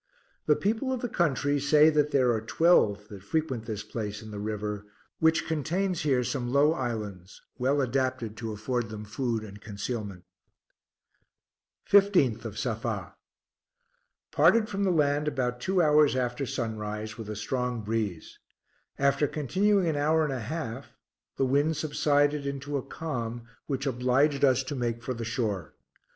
The people of the country say that there are twelve that frequent this place in the river, which contains here some low islands, well adapted to afford them food and concealment. 16th of Safa. Parted from the land about two hours after sunrise, with a strong breeze. After continuing an hour and a half the wind subsided into a calm, which obliged us to make for the shore.